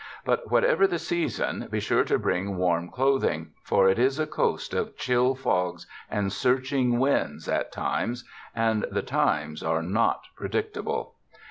But whatever the season, be sure to bring warm clothing; for it is a coast of chill fogs and searching winds at times, and the times are not predictable.